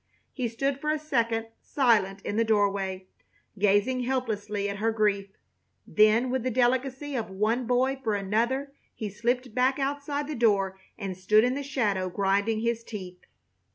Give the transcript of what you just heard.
He stood for a second silent in the doorway, gazing helplessly at her grief, then with the delicacy of one boy for another he slipped back outside the door and stood in the shadow, grinding his teeth.